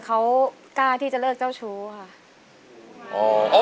เขากล้าที่จะเลิกเจ้าชู้ค่ะ